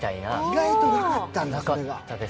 意外となかったんだ。